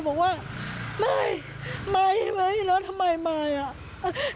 บอกว่ามายมายแล้วทำไมมายอ่ะ